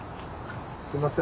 すみません。